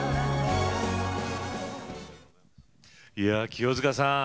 清塚さん